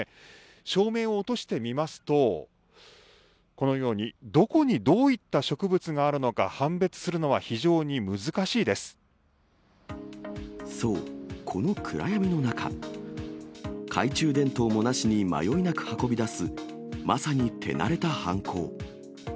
照明を落としてみますと、このように、どこにどういった植物があるのか、そう、この暗闇の中、懐中電灯もなしに迷いなく運び出す、まさに手慣れた犯行。